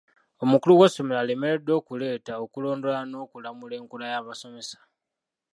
Omukulu w'essomero alemereddwa okuleeta, okulondoola n'okulamula enkola y'abasomesa.